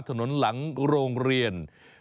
ถนนหลังโรงเรียน